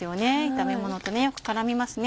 炒め物とよく絡みますね。